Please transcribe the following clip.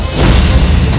aku tidak mau